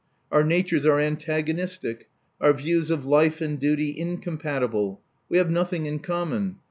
Our natures are antagonistic, our views of life and duty incompatible: we have nothing in common.